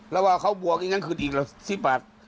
แล้วคือ๑๐บาท